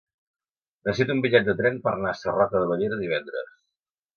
Necessito un bitllet de tren per anar a Sarroca de Bellera divendres.